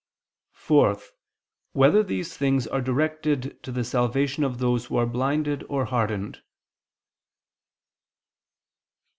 (4) Whether these things are directed to the salvation of those who are blinded or hardened?